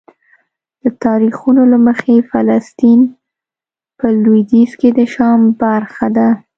د تاریخونو له مخې فلسطین په لویدیځ کې د شام برخه ده.